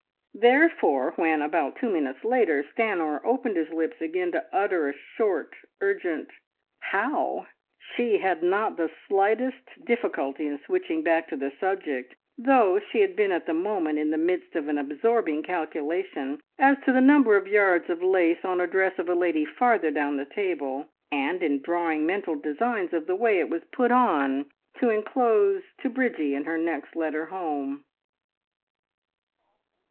Therefore, when about two minutes later Stanor opened his lips again to utter a short, urgent "How?" she had not the slightest difficulty in switching back to the subject, though she had been at the moment in the midst of an absorbing calculation as to the number of yards of lace on a dress of a lady farther down the table, and in drawing mental designs of the way it was put on, to enclose to Bridgie in her next letter home.